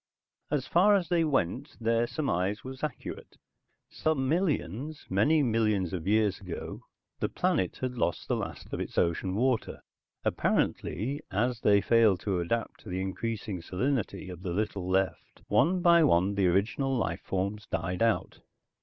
As far as they went, their surmise was accurate. Some millions, many millions of years ago, the planet had lost the last of its ocean water. Apparently, as they failed to adapt to the increasing salinity of the little left, one by one the original life forms died out.